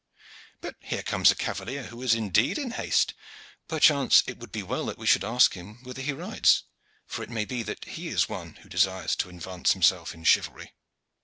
But here comes a cavalier who is indeed in haste. Perchance it would be well that we should ask him whither he rides, for it may be that he is one who desires to advance himself in chivalry."